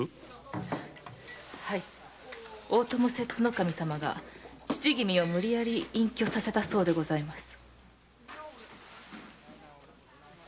はい大友摂津守様が父君を無理矢理隠居させたそうでございます。